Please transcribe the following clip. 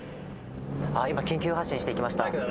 あっ、今、緊急発進していきました。